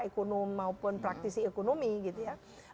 ekonomi maupun praktisi ekonomi gitu ya